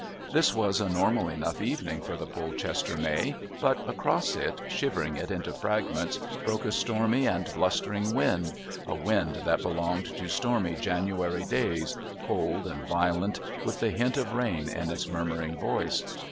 This was a normal enough evening for the Polchester May, but across it, shivering it into fragments, broke a stormy and blustering wind, a wind that belonged to stormy January days, cold and violent, with the hint of rain in its murmuring voice.